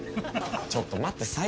ちょっと待って最悪。